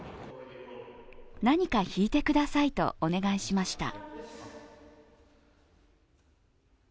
何か弾いてくださいとお願いしました。